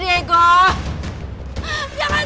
jangan jingsat aku kayak begini